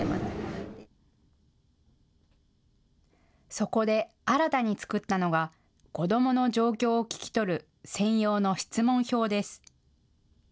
そこで新たに作ったのが子どもの状況を聞き取る専用の質問票です。